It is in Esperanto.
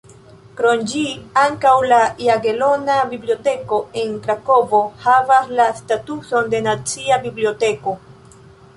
Krom ĝi, ankaŭ la Jagelona Biblioteko en Krakovo havas la statuson de "nacia biblioteko".